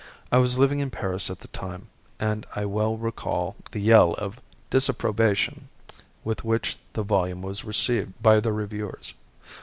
I was living in Paris at the time, and I well recall the yell of disapprobation with which the volume was received by the reviewers.